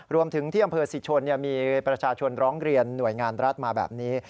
รวมถึงที่อำเภอศรีชนมีประชาชนร้องเรียนหน่วยงานรัฐมาแบบนี้